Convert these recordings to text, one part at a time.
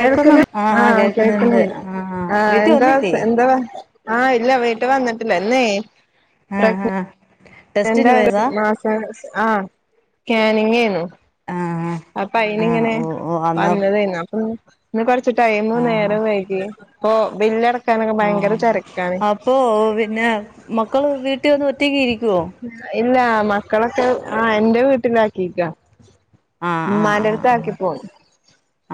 കേക്കുന്നു കേൾക്കന്ന് ആ ആ ആഹ് കേൾക്കണ കേക്കുന്നുണ്ട് ആ ആഹ് വീട്ടിൽ എന്താ വന്നില്ലേ എന്താവാ ആഹ് ഇല്ല വീട്ട് വന്നിട്ടില്ല ഇന്നേ ആഹ് ആഹ് രണ്ട മാസം ആഹ് സ്കാനിങ് ആയിരുന്നു. ആ അപ്പൊ അയിനി ആ ഇങ്ങനെ ഓ ഓ അന്നാ വന്നതെയ്നു അപ്പൊ ഇന്ന് കൊറച്ച് ടൈമ ആ നേര വേകി ഇപ്പ ബില്ലട ആഹ് അപ്പൊ പിന്നെ മക്കള് വീട്ടിൽ വന്ന് ഒറ്റയ്ക്ക് ഇരിക്കുവോ ഇല്ല മക്കളൊക്കെ ആ എന്റെ വീട്ടിലാക്കിക്ക. ഇമ്മാന്റെട്ത്ത് ആക്കി പോന്ന്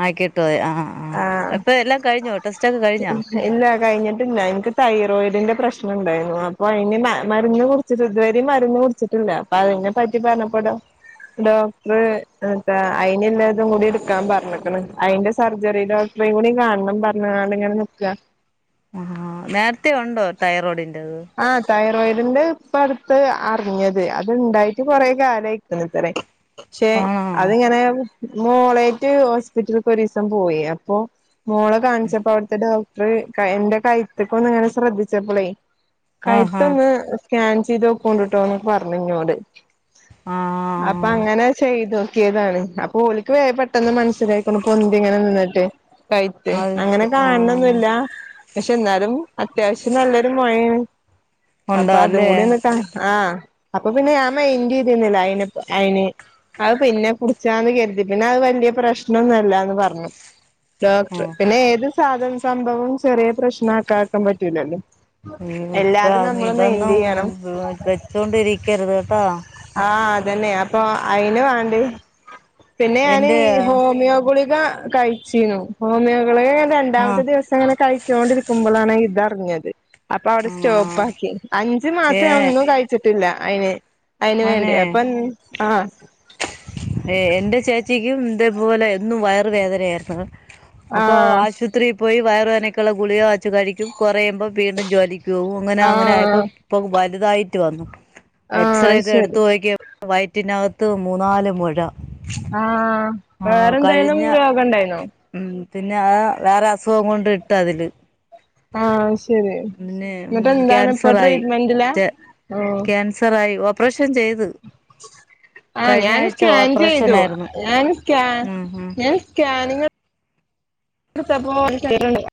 ആക്കിട്ടോയി ആഹ് ആഹ് ഇപ്പൊ എല്ലാം കഴിഞ്ഞോ ടെസ്റ്റക്കെ കഴിഞ്ഞോ? ഇല്ല കഴിഞ്ഞിട്ടില്ല ഇൻക്ക് തൈറോയിഡിന്റെ പ്രശ്നം ഇണ്ടായ്രുന്നു. അപ്പൊ അയിന് മ മര്ന്ന് കു ച് ത്‌ വരീം മര്ന്ന് കുടിച്ചിട്ടില്ല. അപ്പൊ അതിനെ പറ്റി പറഞ്ഞപ്പോ ഡോ ഡോക്ട്റ് അയിന്ല്ലതും കൂടി ഇട്ക്കാൻ പർഞ്ഞ്ക്ക്ണ്. അയിന്റ സ് സർജറി ഡോക്ടറെ കൂടി കാണണം പറഞ്ഞ്ക്കാണ്ട് ഇങ്ങനെ നിക്ക. നേര്ത്തെ ഉണ്ടോ തൈറോയ്ഡിന്റെത് ആഹ് തൈറോയിഡിന്റെ ഇപ്പട്ത്ത് അറിഞ്ഞത്. അത്ണ്ടായിട്ട് കൊറേ കാലയിക്ക്ണ് ത്രെ. ശേ ആണോ അതിങ്ങനെ മോളേറ്റ് ഹോസ്പിറ്റൽക്ക് ഒരീസം പോയി അപ്പൊ മോളെ കാൺച്ചപ്പോ അവ്ടുത്തെ ഡോക്ട്റ് എന്റെ കൈത്ത്ക്കൊന്ന് ഇങ്ങനെ ശ്രദ്ധിച്ചപ്പളേ ആഹാ കഴുത്തൊന്ന് സ്കാൻ ചെയ്തോക്കൂണ്ട്ട്ടോന്ന് പർഞ്ഞു ഇന്നോട് ആ അപ്പ അങ്ങനെ ചെയ്തു. താണ് അപ്പൊ ഓൽക്ക് വേ പെട്ടെന്ന് മൻസ്സിലായിക്ക്ണു പൊന്തിങ്ങനെ നിന്നിട്ട് കഴ്ത്ത് അത് അങ്ങനെ ശ ആ കാണ്ണൊന്നുല്ല. പശേ ന്നാലും അത്യാവശ്യം നല്ലൊരു മൊഴേണ്. അപ്പൊ ഉണ്ടോ അതും അല്ലേ കൂടി ഒന്ന് കാ ആ അപ്പൊ പിന്നെ ഞാൻ മെയ്ന്റ് ചെയ്തിന്നില്ല അയിന് അയ്ന് അത് പിന്നെ കുട്ച്ചാന്ന് കര്തി. പിന്നെ അത് വല്യ പ്രശ്നൊന്നല്ലാന്ന് പർഞ്ഞു. ഡോക്ടർ ആ പിന്നെ ഏത് സാധന സംഭവം ചെറിയ പ്രശ്നം ആക്കക്കാൻ പറ്റൂലല്ലോ. ഉം ഇപ്പ എല്ലാതും നമ്മള് മെയിന്റ് ഇതൊന്നും ചെയ്യണം വെച്ചൊണ്ടിരിക്കരുത്ട്ടോ ആഹ് അതന്നെ അപ്പൊ അയിന് വാണ്ടി പിന്നെ ഞാന് എന്റെ ഈ ഹോമിയോ ഗുളിക കഴിച്ചീനു ഹോമിയോ ഗുളിക ആ രണ്ടാമത്തെ ദിവസംങ്ങനെ കഴിച്ചൊണ്ടിരിക്കുമ്പളാണ് ഇതർഞ്ഞത് അപ്പ ആ സ്റ്റോപ്പാക്കി അഞ്ചു ഏ മാസം ഒന്നും കഴിച്ചിട്ടില്ല. അയിന് അയിന് വേണ്ടി മോനെ അപ്പം ആഹ് ഏഹ് എന്റെ ചേച്ചിക്കും ഇതേപോലെ എന്നും വയറ് വേദനയായിരുന്നു. അപ്പൊ ആഹ് ആശുപത്രീ പോയി വയറ് വേനക്കുള്ള ഗുളിക വാച്ച് കഴിക്കും. കൊറയുമ്പം വീണ്ടും ജോലിക്ക് പോവും. അങ്ങനെ അങ്ങനെയപ്പ ആഹ് ഇപ്പൊ വലുതായിട്ട് വന്നു. ആഹ് എക്സറേ അത് ഒക്കെ ശരി എടുത്തോക്കി വയറ്റിനകത്ത് മൂന്നാല് മുഴ ആഹ് ആ വേറെന്തേലും കഴിഞ്ഞ രോഗം ണ്ടായിന്നോ? ഉം പിന്നെ അ വേറെ അസുഖം കൊണ്ട് ഇട്ട് അതില് ആഹ് ശരി ഉം പിന്നെ ഉം എന്നിട്ട് എന്താണ് ഇപ്പൊ കാൻസർ ആയി ട്രീറ്റ്മെന്റിലാ റ്റെ ആഹ് കാൻ സറായി ഓപ്പറേഷൻ ചെയ്ത് ആഹ് കഴിഞ്ഞ ഞാൻ ആഴ്ച സ്കാൻ ചെയ്തു. ഓപ്പറേഷനായിരുന്നു ഞാൻ സ്കാൻ ഉം ഉം ഞാൻ സ്കാനിങ്ങ് ട്ത്തപ്പൊ [unintelligible]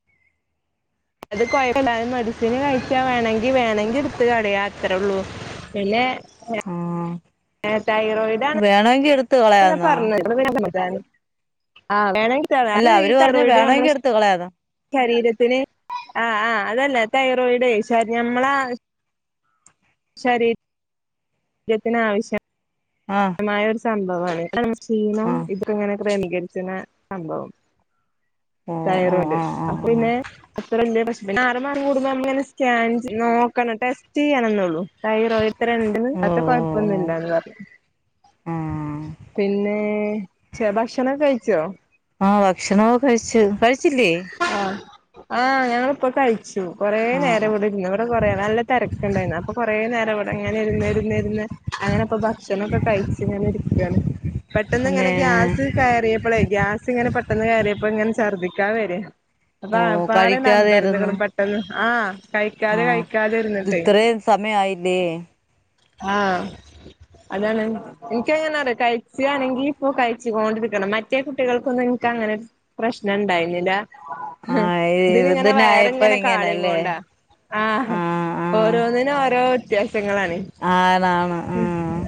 അത് കൊഴപ്പല്ല. മെഡിസിന് കഴിച്ചാ വേണെങ്കി വേണെങ്കി ഇട്ത്ത് കളയാ അത്രള്ളൂ. പിന്നെ ആഹ് ഏ തൈറോയ്ഡാണ്. വേണെങ്കി എടു പർഞ്ഞ [inaudible] ആ വേണ അല്ല അത് ഈ അവര് പറഞ്ഞ് തൈറോയ്ഡ് നമ്മള വേണമെങ്കി എടുത്ത് കളയാന്നാ ശരീരത്തിന് ആഹ് ആഹ് അതല്ല തൈറോയിഡ് ശ നമ്മള ശരീ രത്തിന് ആവശ്യ ആഹ് മായ ഒരു സംഭവാണ്. ആഹ് [unintelligible] ഇതങ്ങനെ ക്രമീകരിച്ച്ണ സംഭവം ഓ ഓ തൈറോയ്ഡ് ആഹ് ആഹ് അപ്പൊ ആഹ് ന്നെ അത്ര വല്യ പ്രശ്നല്ല. ആറ് മാസം കൂടുമ്പോ നമ്മള് ങ്ങനെ സ്കാൻ നോക്കണം ടെസ്റ്റ് ചെയ്യണന്നുള്ളൂ തൈറോയ്ഡ് എത്ര ണ്ട് ന്ന് ഓ അത് ഓ കൊഴപ്പൊന്നുംല്ലാന്ന് പർഞ്ഞു. ആഹ് പിന്നെ ച ഭക്ഷണം കഴിച്ചോ? ആഹ് ഭക്ഷണമൊക്കെ കഴിച്ചു കഴിച്ചില്ലേ? ആഹ് ആഹ് ഞങ്ങളിപ്പൊ കഴി ച്ചു, കൊറെ നേരം ആഹ് ഇവിടെ ഇരുന്നു, ഇവിടെ കൊറ നല്ല തിരക്കണ്ടായിരുന്നു, അപ്പൊ കൊറേ നേരംവിടെ ഇങ്ങനെ ഇരുന്ന്, ഇരുന്ന് ഇരുന്നു അങ്ങനെ ഇപ്പൊ ഭക്ഷണൊക്കെ കഴിച്ചുങ്ങനെ ഇരിക്കാണ്, പെട്ടെന്ന് പിന്നെ ഇങ്ങനെ ഗ്യാസ് കേറിയപ്പളെ, ഗ്യാസ് ഇങ്ങനെ പെട്ടെന്ന് കേറിയപ്പോ ഇങ്ങനെ ഛർദിക്കാൻ വര അപ്പൊ ഓ ആകപ്പാടെ കഴിക്കാതെ ഇരുന്ന് അമ്പരുന്ന്ക്ക്ണ് പെട്ടെന്ന് ആഹ് കഴിക്കാതെ, ആഹ് കഴിക്കാതെ ഇരുന്നിട്ടേ ഇത്രയും സമയായില്ലേ ആഹ് അതാണ് ഇൻക് എങ്ങനാറിയോ കഴിച്ചാണെങ്കി ഇപ്പോ കഴിച്ച്കൊണ്ടിരിക്കണം, മറ്റേ കുട്ടികൾക്കൊന്നും ഇൻക് അങ്ങനെ പ്രശ്നണ്ടായിനില്ല, ആഹ് ഇതിന് ഇങ്ങനെ വയറി ഇതിനായപ്പോ ഇങ്ങനെ ഇങ്ങനെല്ലേ കാളിങ്ങോണ്ടാ ആഹ് ഓരോന്നിനും ഓരോ വ്യത്യാസങ്ങളാണ്. ആണാണ് ആഹ്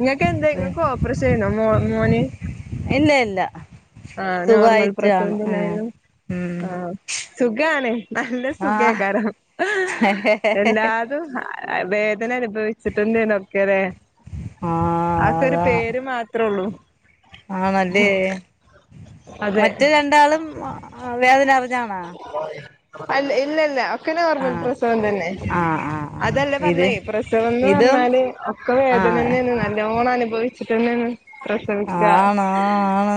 ഇങ്ങക് എന്തേ ഇങ്ങക്ക് ഓപ്പറേഷയ്നോ മോന്? ഇല്ല ഇല്ല ആഹ് നോർമൽ സുഖായിട്ടാണ് പ്രസവം ഉം തന്നെയിന്. ഉം ആഹ് സുഖാണ് നല്ല ആഹ് സുഖേക്കാരം എല്ലാ തും വേദന അനുഭവിച്ചിട്ടെന്നെനണ് ഒക്കെലെ ആഹ് അതൊക്കെ ഒരു അതാ പേര് മാത്രൊള്ളൂ. ആണല്ലേ, അതെ മറ്റേ രണ്ടാളും വേദന അറിഞ്ഞാണോ? അല്ല, ഇല്ല, ഇല്ല ഒക്കെ നോർമൽ ആഹ് പ്രസവം തന്നെ ആഹ് ആഹ് ആഹ് അതല്ല ഇത് പറഞ്ഞേ, പ്രസവംന്ന് ഇതും പറഞ്ഞാല് ഒക്കെ ആഹ് വേദനന്നെ ആൻ, നല്ലോണം അനുഭവിച്ച ചിട്ടെന്നെണ് പ്രസവിക്ക ആണ് ആണ്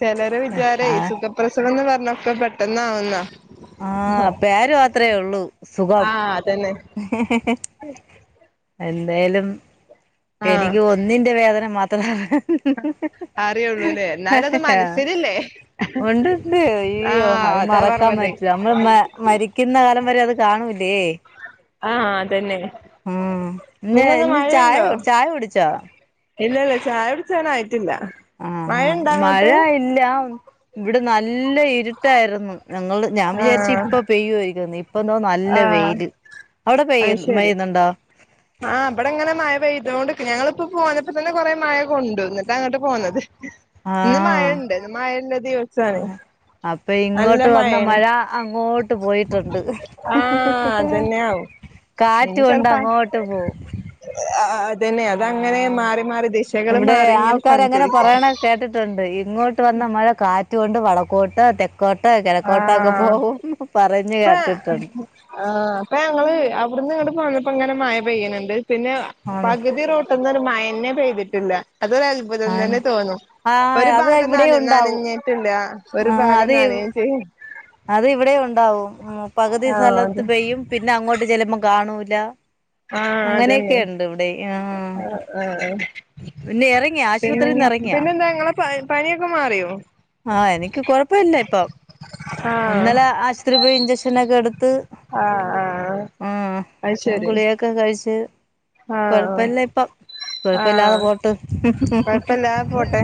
ചിലരെ വിചാരെയ് സുഖപ്രസവന്ന് പറഞ്ഞ ഒക്കെ പെട്ടന്ന് ആവുന്ന ആഹ് പേരു മാത്രേള്ളു സുഖം ആഹ് അതന്നെ ഹി ഹി ഹി എന്തായാലും ആഹ് എനിക്ക് ഒന്നിന്റെ വേദന മാത്ര അറിയുള്ളൂലേ, എന്നാലത് മനസ്സിലില്ലേ? ഉണ്ട്ണ്ട് അയ്യോ ആഹ് അത് അതാ മറക്കാൻ പറഞ്ഞത് പറ്റില്ല, നമ്മള് മ മരിക്കുന്ന കാലം വരെ അത് കാണൂലേ ആഹ് അതന്നെ ഉം ഇന്ന് പിനെന്താ ഇന്ന് ചായ മഴയുണ്ടോ? ചായ കുടിച്ചോ ഇല്ല, ല്ല ചായാകുടിചാനായിട്ടില്ല. ആഹ് ആഹ് മഴ ഇല്ല ഇവിടെ നല്ല ഇരുട്ടായിരുന്നു, നങ്ങളു ഞാൻ വിചാരിച്ച് ആഹ് ഇപ്പ പെയ്യുവാ യിരിക്കൊന്നു ഇപ്പ ധോ നല്ല ആഹ് വെയില്, അവിടെ പെയ്യ അത് ശരി മെയ്യുന്നുണ്ടോ? ആഹ് ഇബടെ ങ്ങനെ മഴ പെയ്തോണ്ട്ക്ക്ണ്, ഞങ്ങിപ്പോ പോന്നപ്പോ തന്നെ കൊറെ മഴ കൊണ്ടു, എന്നിട്ട് അങ്ങിട്ടു പോന്നത്. ഇന്ന് ആഹ് മഴണ്ട് ഇന്ന് മഴല്ല ദിവസാണ് അപ്പൊ നല്ല ഇങ്ങോട്ട് വന്ന മഴയാണ് മഴ അങ്ങോട്ട് പോയിട്ടുണ്ട് ആഹ് അതന്നെ ആവും കാറ്റോണ്ട് അങ്ങോട്ട് പോകും ആഹ്,, അതന്നെ അതങ്ങനെ മാറി മാറി ദിശകള് ഇവിടെ മാറിങ്ങനെ ആൾക്കാരങ്ങനെ സഞ്ചരിക്കും പറയണ കേട്ടിട്ടുണ്ട് ഇങ്ങോട്ട് വന്ന മഴ കാറ്റൊണ്ട് വടക്കോട്ട തൊക്കെ കോട്ട, കിഴക്കൊട്ടക്കെ പോകും പ്പ ആഹ് പ്പ ഞങ്ങള് അവിടുന്ന് ഇങ്ങട്ട് പോന്നപ്പോ ഇങ്ങനെ മഴ പെയ്യ്ണ്ട് പിന്നെ ആണോ പകുതി റോട്ടിന്നു ഒരു മയന്നെ പെയ്തിട്ടില്ല, അതു ഒരു അൽ ത്ഭുതം ആണ് തന്നെ തോന്നും, ആ ഒരു അത് ഭാഗം ഇവിടെ നന ഉണ്ടാവും നനഞ് പിന്ന ഒരു ആ ഭാഗം അത് നനേയും ചെയ്യും അത് ഇവിടെയുണ്ടാവും, പകുതി ആഹ് അതെ സ്ഥലത്ത് പെയ്യും പിന്നെ അങ്ങോട്ട് ചെലപ്പം കാണൂല ആഹ് അതന്നെ അങ്ങനെയൊക്കെണ്ട് ഇവിടെയും, ആഹ് പിന്നെ ഇറങ്ങിയൊ ആശു പിന്നെ, പിന്നെ എന്താ നിങ്ങളെ പ പനിയൊക്കെ മാറിയോ? ആഹ് എനിക്ക് കൊഴപ്പില്ല ഇപ്പൊ, ആഹ് ഇന്നലെ ആശുപത്രി പോയി ഇഞ്ചക്ഷനൊക്കെ എടുത്ത് ആഹ് ആഹ് ഉം, അത് ഞാൻ ശരി ഗുളികക്കെ കഴിച്ച് ആഹ് കൊഴപ്പല്ലപ്പം കൊഴപ്പില്ലാതെ ആഹ് പോ കൊഴപ്പല്ലാതെ പോട്ടെ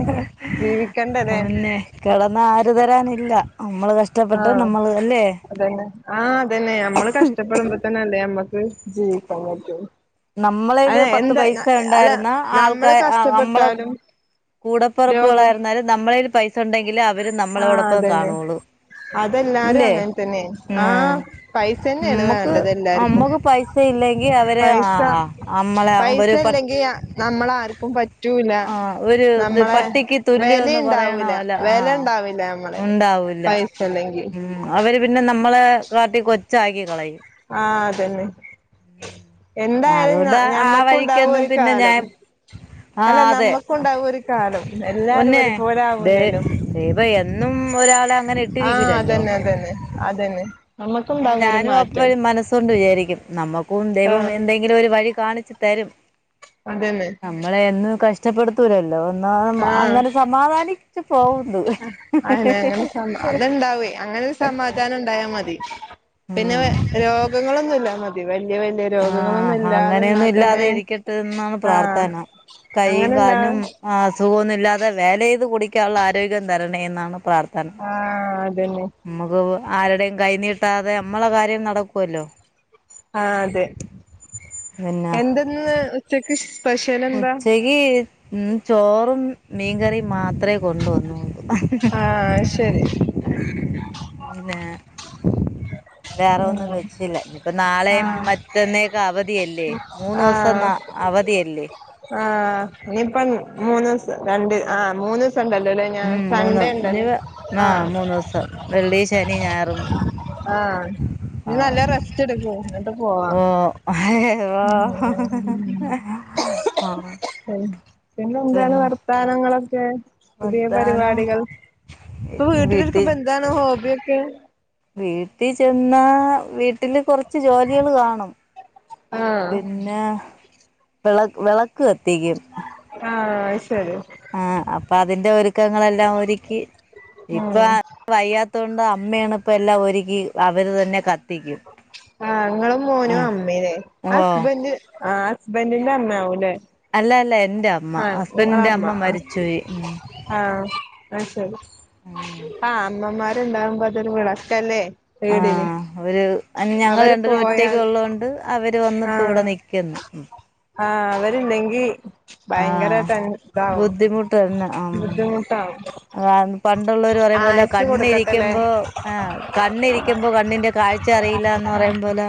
ജീവിക്കണ്ടല്ലേ ന്നേ കെടന്നആര് വരാനില്ല നമ്മള് കഷ്ടപ്പെട്ട ആഹ് നമ്മള് അല്ലേ അതന്നെ ആഹ് അതന്നെ നമ്മള് കഷ്ടപ്പെടുമ്പോ തന്നെല്ലേ അമ്മക്ക് ജീവിക്കാൻ പറ്റൊള്ളൂ നമ്മളേല് പത്ത് അല്ല പൈസഇണ്ടായിരുന്ന നമ്മള് ആൾക്കാര് നമ്മള് കഷ്ടപ്പെട്ടാലും രോഗം കൂടപ്പിറപ്പുകളായിരുന്നാലും നമ്മളേല് പൈസ ഉണ്ടെങ്കിലെ അവരും ആഹ് നമ്മളോടൊപ്പം അതന്നെ കാണോളു അതെല്ലാരും അങ്ങനെ തന്നെണ് ആഹ് പൈസ ന്നെണ് നമ്മക്ക് വേണ്ടത് എല്ലാരിക്കും നമ്മക്ക് പൈസ ഇല്ലെങ്കിൽ അവര് ആഹ് ആഹ് അമ്മളെ പൈസ ഇവര് പ ഇല്ലെങ്കി നമ്മള ആർക്കും പറ്റ് റ്റൂലാ ആഹ് ഒരു ഇത് നമ്മളെ പട്ടിക്ക് തുല്യംന്ന് പറയണ വെലയ്ണ്ടാവൂല പോലെ വെല ആഹ് ണ്ടാവില്യ നമ്മളെ ഉണ്ടാവൂല്ല പൈസ സല്ലെങ്കി ഉം അവര് പിന്നെ നമ്മളെ കാട്ടി കൊച്ചാക്കി കളയും ആഹ് അതന്നെ എന്തായാലും ഞ അതുകൊണ്ട് ആ ഞമ്മക്കുണ്ടാവും വഴിക്കൊന്നും ഒരു പിന്നെ കാലം ഞാൻ അല്ല ആഹ് അതെ നമ്മക്കുണ്ടാവും ഒരു കാലം എല്ലാരും പൊന്നെ ഒരുപോലെ ദേ ആവൂലല്ലോ ദേ [unintelligible] പ്പൊ എന്നും ഒരാളെ അങ്ങനെ ആഹ് ഇട്ടിരിക്കുല്ലല്ലോ അതന്നെ അതന്നെ അതന്നെ ആഹ് നമ്മുക്കുണ്ടാവും ഒരു ഞാനും മാറ്റം അപ്പഴ്‌ മനസ് സോണ്ട് വിചാരിക്കും നമ്മുക്കും ദൈവം ആഹ് എന്തെങ്കിലും ഒരു വഴി കാണിച്ചു തരും അതന്നെ നമ്മളെയെന്നും കഷ്ടപ്പെടുത്തൂല ല്ലോ ലോന്നാ ന്നാ ആഹ് അങ്ങനെ സമാധാനിച്ച് പോകുന്ന്. അയന്നെ അങ്ങനെ സമാ അത്ണ്ടാവേ അങ്ങനെ ഒരു സമാധാനം ഉണ്ടായാ മതി പിന്നെ ഉം രോഗങ്ങളൊന്നുംല്ലമതി വല്യേ വല്യേ ആഹ് ഹ അങ്ങനെയൊന്നും ഇല്ലാതെ ഇരിക്കട്ടെ എന്നാണ് ആഹ് പ്രാർത്ഥന കൈയും അങ്ങനെല്ലാ കാൽനും ആഹ് അസുഖൊന്നുല്ലാതെ വേലയ്ത് കുടിക്കാനുള്ള ആരോഗ്യം തരണേ എന്നാണ് പ്രാർത്ഥന ആഹ് അതന്നെ മ്മക്ക് ആരുടെയും കൈ നീട്ടാതെ നമ്മളെ കാര്യം നടക്കുവല്ലോ ആഹ് അതെ എന്തെന്ന് ഉച്ചക്ക് ശ് ഉച്ചയ്ക്ക് ഇന്ന് ചോറും മീൻക്കറിയും മാത്രേ കൊണ്ടുവന്നുള്ളൂ. ആഹ് അയ് ശരി പിന്നെ വേറെ ഒന്നും ഉം വെച്ചില്ല നി ഇപ്പ നാളെയും ആഹ് മറ്റന്നേക്കെ അവധിയല്ലേ മൂന്നുസോം ന്ന അവധിയല്ലേ ആഹ് ഇനിയിപ്പം മൂന്ന് ദിവസം രണ്ട് ആഹ് മൂന്ന്സം ണ്ടല്ലോല്ലോ മ്മ് മൂന്ന് ഇനി ആഹ് മൂന്ന് ദിവസം വെള്ളി ശനി ഞായറും ആഹ് ഇനി നല്ല ആഹ് റെസ്റ്റ് എടുക്ക് എന്നിട്ട് പോവാം ഓ [unintelligible] വോ ആണ് പിന്നെ പിന്നെ എന്താണ് വർത്താനങ്ങളൊക്കെ പുതിയ വർത്താനം പരിപാടികൾ ഇപ്പൊ വീട്ടിൽ വീട്ടിലിരിക്കുമ്പോ എന്താണ് ഹോബിയൊക്കെ വീട്ടിചെന്ന വീട്ടില് കൊറച്ച് ജോലികള് കാണും. ആഹ് പിന്നെ വെള വെളക്ക് കത്തിക്കും. ആഹ് അയ് ശരി ആഹ് അപ്പൊ അതിന്റെ ഒരുക്കങ്ങളെല്ലാം ഒരുക്കി ഇപ്പ ഉം അ വയ്യാതോണ്ട് അമ്മയാണ് ഇപ്പോ എല്ലാം ഒരുക്കി അവര് തന്നെ കത്തി ആഹ് ങ്ങളും മോനും അമ്മി ല്ലേ ഓ ഹസ്ബൻഡ് ആഹ് ഹസ്ബെന്റിന്റെ അമ്മയാവുംല്ലേ അല്ല അല്ല എന്റെ അമ്മ ഹസ്ബൻഡിന്റെ അമ്മ മരിച്ചുപോയി ഉം ആഹ് മരിച്ച് പോയി ഉം ആഹ് അമ്മമാരുണ്ടാകുമ്പോ അതൊര് വിളക്കല്ലേ ആ വീടിന് അവര് അയിന് ഞങ്ങള് അവര് രണ്ടെര് ഒറ്റക്ക് പോയാൽ ഒള്ളോണ്ട് അവര് വന്ന് ഇപ്പ ഇവിടെ ആഹ് നിയ്ക്കിന്ന് ആഹ് അവര്ണ്ടെങ്കി ആഹ് ബുദ്ധിമുട്ട് എന്ന ഉം ബുദ്ധിമുട്ടാവും ആഹ് പണ്ടുള്ളവര് പറയുംമ്പോലെ ആയുസ് കൊടുക്കട്ടെല്ലേ കണ്ണിരിക്കുമ്പോ ആഹ് കണ്ണി ഇരിക്കുമ്പോ കണ്ണിന്റെ കാഴ്ച അറിയില്ലാന്ന് പറയും പോലെ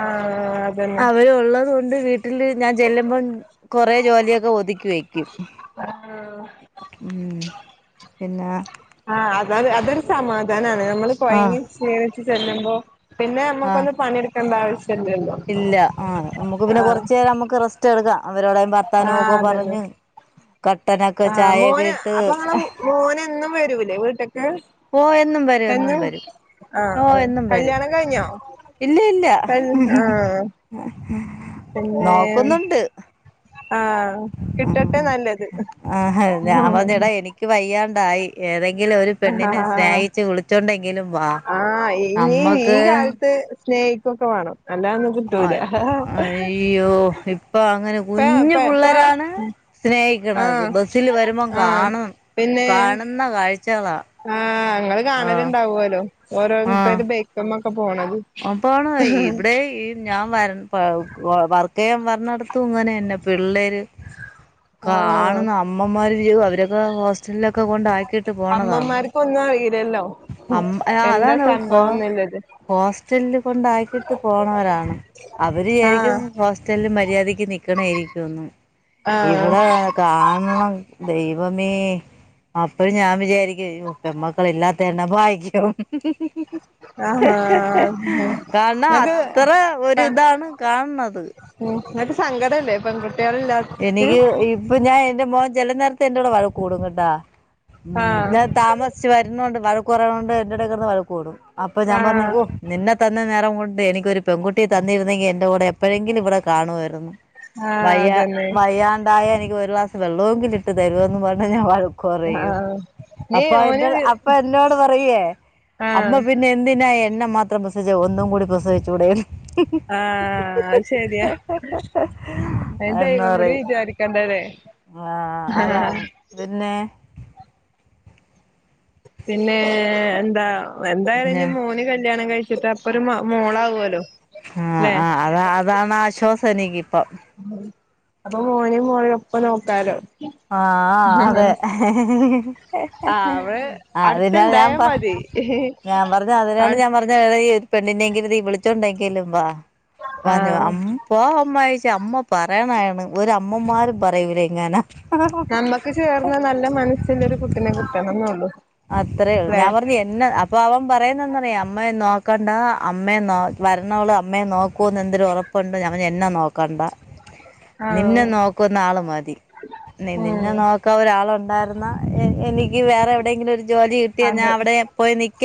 ആഹ് അതന്നെ അവരൊള്ളത് കൊണ്ട് വീട്ടില് ഞാൻ ചെല്ലുമ്പം കൊറെ ജോലിയൊക്കെ ഒതുക്കി വെക്കും. ആഹ് ഉം പിന്നെ ആഹ് അത അതൊരു സമാധാനണ് നമ്മള് ആഹ് കൊഴഞ്ഞി ക്ഷീണിച്ച് ചെല്ലുമ്പോ പിന്നെ ആഹ് നമ്മുക്കൊന്ന് പണിയെടുക്കേണ്ട ആവശ്യം ഇല്ല ല്ലോ ഇല്ല ആഹ് നമുക്ക് പിന്നെ കൊറച്ച് നേരം നമുക്ക് റെസ്റ്റ് എടുക്കാം അവരോടെ പ ആഹ് ത്തനോക്കെ അതന്നെ പറഞ്ഞ് കട്ടനൊക്കെ ആഹ് ചായയൊക്കെ മോന് ഇട്ട് അപ്പൊ ഇങ്ങളെ മോന് എന്നും വരൂലേ വീട്ടൊക്ക് ഓ എന്നുംവരും എന്നുംവരും. ആഹ് ഓ ആഹ് എന്നും വരും കല്യാണം കഴിഞ്ഞോ ഇല്ല ഇല്ല കൽ ആഹ് [unintelligible] പിന്നെ നോക്കുന്നുണ്ട് ആഹ് കിട്ടട്ടെ നല്ലത് ക്ക് വയ്യാണ്ടായി ഏതെങ്കിലും ഒരു പെണ്ണിനെ ആഹ് സ്നേഹിച്ച് വിളിച്ചോണ്ടെങ്കിലും വാ ആഹ് ഇനി ഈ നമ്മക്ക് കാലത്ത് സ്നേഹിക്കൊക്കെ വേണം അല്ലാ ആഹ് അയ്യോ ഇപ്പൊ അങ്ങനെ ഇപ്പ കുഞ്ഞ് ഇപ്പ ഇപ്പ പിള്ളരാണ് സ്നേഹിക്കണത് ആഹ് ബസിൽ വരുമ്പം ആഹ് കാണും പിന്നെ കാണുന്ന കാഴ്ചകളാ ആഹ് ങ്ങള് ആഹ് കാണല്ണ്ടാവൂല്ലോ ഓരോര്ത്തര് ബൈക്ക്മൊക്കെ പോണത് അതാണ് ഇവിടെ ഈ ഞാൻ വര പാ കൊ വർക്ക് ചെയ്യാൻ വര്ണടത്തും ഇങ്ങനെന്നെ പിള്ളേര് ആഹ് കാണുന്ന അമ്മമാര് അവരൊക്കെ ഹോസ്റ്റലിലൊക്കെ കൊണ്ടക്കിട്ട് പോണതാണ് ഇപ്പൊ ഒന്നും അറിയില്ലല്ലോ അം എന്താ സംഭവംന്നില്ല ഹോസ്റ്റലില് കൊണ്ടാക്കിട്ട് പോണവരാണ് അവര് ആഹ് വിചാരിക്കും ഹോസ്റ്റലില് മര്യാദക്ക് നിക്കണായിരിക്കുംന്ന് ആഹ് ഇവിടെ കാണണം ദൈവമേ അപ്പഴ് ഞാൻ വിചാരിക്കുംയ്യോ പെമ്മക്കളില്ലാതെ ത്തെന്നെ ഭാഗ്യം [inaudible] ആഹാ അഹ് കാരണം അത്ര അത്പ്പ ഒരിതാണ് കാണണത് ഉം ന്നട്ട് സങ്കടല്ലേ പെൺകുട്ട്യാളില്ല എനിക്ക് ഇപ്പൊ ഞാൻ എന്റെ മോൻ ചില നേരത്തെന്റുടെ വഴക്ക് കൂടും കേട്ട ഉം ആഹ് ഞാൻ താമസിച്ച് വരുണൊണ്ട് വഴക്ക് പറയിണൊണ്ട് അയിന്റെടെകിടന്ന് വഴ ക്ക് കൂടും അപ്പൊ ഞാൻ പറഞ്ഞു ആഹ് ഓഹ് നിന്നെ തന്ന നേരം കൊണ്ട് എനിക്കൊരു പെൺകുട്ടിയെ തന്നിരുന്നെങ്കി എന്റെ കൂടെ എപ്പോഴെങ്കിലും ഇവിടെ കാണുവായിരുന്നു ആഹ് വയ്യ അതന്നെ വയ്യാണ്ടായ എനിക്ക് ഒരു ഗ്ലാസ് വെള്ളൊവെങ്കിലും ഇട്ട് തരുവന്ന് പറഞ് ഞാൻ വഴ ക്ക് പറയും ആഹ് നീ അപ്പ ഓന് എന്റെ അപ്പൊ എന്നോട് പറയുവേ ആഹ് അമ്മ പിന്നെ എന്തിനാ എന്നെ മാത്രം പ്രസവിച്ചേ ഒന്നും കൂടി പ്രസവിച്ചുടെന്ന് ആഹ് അത് ശരിയാ അയിന് എന്ന് ദൈവം കൂടി പറയും വിചാരിക്കണ്ടേലേ ആഹ് അതാണ് പിന്നെ പിന്നെ എന്താ എന്തായാലും ഇനി പിന്നെ മോന് കല്യാണം കഴിച്ചി ച്ചിട്ട് അപ്പൊരു മ ആഹ് മോളാവുവല്ലോല്ലെ ആഹ് അതാ അതാണ് ആശ്വാസം എനിക്കിപ്പം അപ്പൊ മോനേം മോളേം ഒപ്പം നോക്കാലോ ആഹ് അതെ ആ അവള് അതിനാ ഞാൻ അടുത്തുണ്ടായാ പറ മതി ഞാൻ പറഞ്ഞ് അതിനാണ് ആഹ് ഞാൻ പറഞ്ഞെ എടാ നീ ഒരു പെണ്ണിനെങ്കിലും നീ വിളിച്ചോണ്ടെങ്കിലും വാ പറഞ്ഞയ അഹ് പോ അമ്മ ആയിട്ട് അമ്മ പറയണാണ് ഒരമ്മമാരും പറയൂല ഇങ്ങനെ നമ്മക്ക് ചേർന്ന നല്ല മനസ്സുള്ളൊരു കുട്ടിനെ കിട്ടണം ന്നൊള്ളു അത്രേള്ളൂ ഞാൻ പറഞ്ഞു പിന്നെ അപ്പൊ അവൻ പറയുന്നെന്താറിയ അമ്മയെ നോക്കണ്ട അമ്മെ ന വരണവള് അമ്മയെ നോക്കുവെന്ന് എന്തര് ഒറപ്പ് പ്പുണ്ട് ഞാൻ പറഞ്ഞ് എന്നെ നോക്കണ്ട ആഹ് നിന്നെ നോക്കുന്ന ആള് മതി നി ഉം നിന്നെ നോക്ക ക്കാൻ ഒരാളുണ്ടായിരുന്ന എ എനിക്ക് വേറെ എവിടെങ്കിലും ഒരു ജോലി കിട്ടിയാ ഞാൻ അതെ അവിടെ പോയി നിക്ക